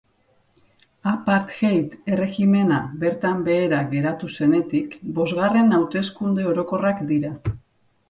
Apartheid erregimena bertan behera geratu zenetik bosgarren hauteskunde orokorrak dira.